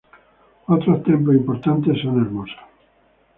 Otros templos importantes son hermosos.